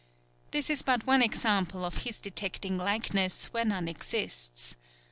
This is but one example of his detecting likeness where none exists.